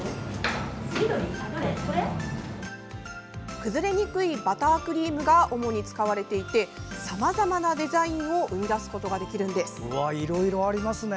崩れにくいバタークリームが主に使われていてさまざまなデザインをいろいろありますね。